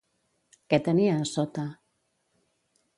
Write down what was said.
Què tenia a sota?